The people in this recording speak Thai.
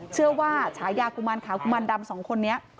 เชื่อว่าฉายากุมารขาวกุมารดำสองคนนี้